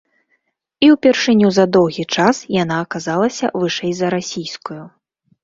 І ўпершыню за доўгі час яна аказалася вышэй за расійскую.